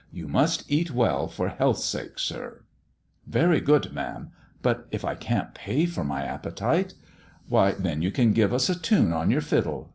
You must eat well for health's sake, sir." " Very good, ma'am. But if I can't pay for my appetite 1 "" Why, then you can give us a tune on your fiddle.